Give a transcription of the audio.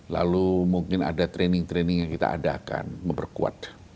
lalu mungkin ada training training yang kita adakan memperkuat